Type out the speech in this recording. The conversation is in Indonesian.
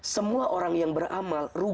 semua orang yang beramal